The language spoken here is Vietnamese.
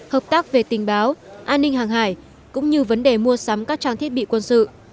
hợp tác về tình báo an ninh hàng hải cũng như vấn đề mua sắm các trang thiết bị quân sự